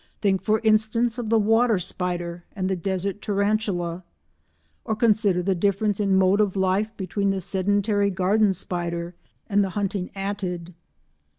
Think, for instance, of the water spider and the desert Tarantula, or consider the difference in mode of life between the sedentary garden spider and the hunting Attid.